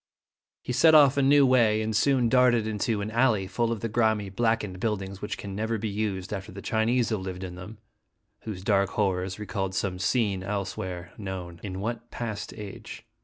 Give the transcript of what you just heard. He set off a new way, and soon darted into an alley full of the grimy, blackened buildings which can never be used after the Chinese have lived in them, whose dark horrors re called some scene elsewhere known in what past age?